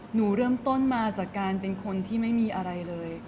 หนูเริ่มต้นมาจากการเป็นคนที่ไม่มีอะไรเลย